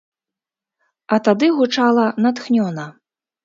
А тады гучала натхнёна.